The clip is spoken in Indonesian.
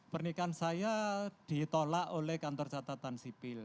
pernikahan saya ditolak oleh kantor catatan sipil